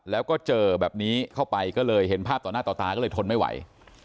แล้วก็เจอแบบนี้เข้าไปก็เลยเห็นภาพต่อหน้าต่อตาก็เลยทนไม่ไหว